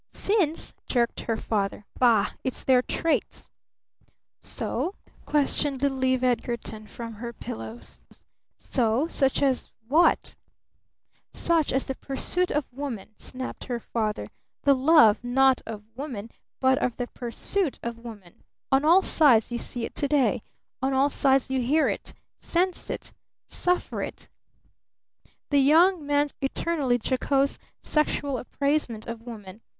"Sins!" jerked her father. "Bah! It's their traits!" "So?" questioned little Eve Edgarton from her pillows. "So? Such as what?" "Such as the pursuit of woman!" snapped her father. "The love not of woman, but of the pursuit of woman! On all sides you see it to day! On all sides you hear it sense it suffer it! The young man's eternally jocose sexual appraisement of woman!